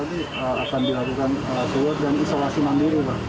nanti akan dilakukan swab dan isolasi mandiri